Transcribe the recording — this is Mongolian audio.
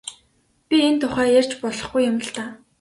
Би энэ тухай ярьж болохгүй юм л даа.